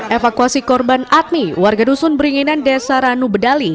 evakuasi korban admi warga dusun beringinan desa ranu bedali